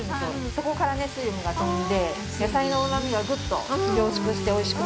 そこからね水分が飛んで野菜のうまみがグッと凝縮しておいしくなるんです。